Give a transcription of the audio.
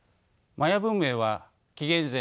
マヤ文明は紀元前